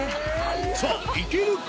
さあ、いけるか？